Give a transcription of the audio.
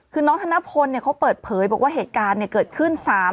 คือน้องธนพลเขาเปิดเผยบอกว่าเหตุการณ์เกิดขึ้น